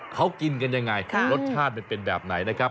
เขากินกันยังไงรสชาติมันเป็นแบบไหนนะครับ